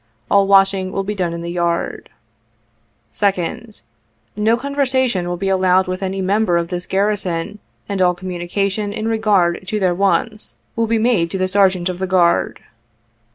All washing will be done in the yard. " 2d. — No conversation will be allowed with any member of this garrison, and all communication in regard to their wants will be made to the Sergeant of the Guard.